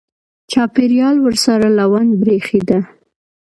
چاپېریال ورسره لوند برېښېده.